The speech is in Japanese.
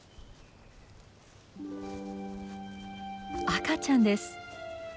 赤ちゃんです。